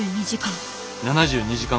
７２時間。